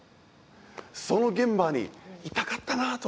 その現場にいたかったなと思うんです。